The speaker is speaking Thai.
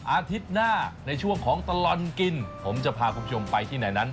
อาทิตย์หน้าในช่วงของตลอดกินผมจะพาคุณผู้ชมไปที่ไหนนั้น